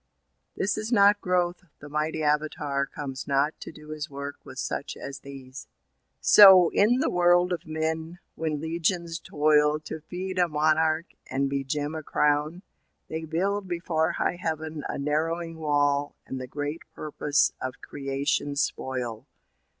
This is not growth; the mighty avatar Comes not to do his work with such as these. So in the world of men; when legions toil To feed a Monarch, and begem a crown, They build before high heaven a narrowing wall And the great purpose of Creation spoil.